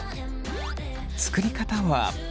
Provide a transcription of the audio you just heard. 作り方は。